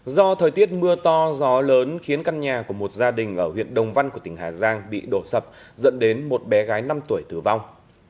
do thời tiết mưa to gió lớn khiến căn nhà của một gia đình ở huyện đồng văn của tỉnh hà giang bị đổ sập dẫn đến một bé gái năm tuổi tử vong